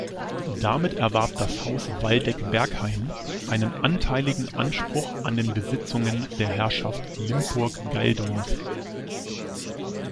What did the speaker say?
Damit erwarb das Haus Waldeck-Bergheim einen anteiligen Anspruch an den Besitzungen der Herrschaft Limpurg-Gaildorf.